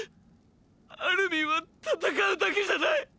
アルミンは戦うだけじゃない！！